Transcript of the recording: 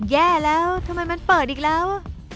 แย่แล้วทำไมมันเปิดอีกแล้ว